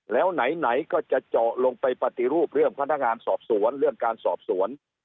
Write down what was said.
แล้วไหนก็จะเจาะลงไปปฏิรูปเรื่องพนักงานสอบสวนเรื่องการสอบสวน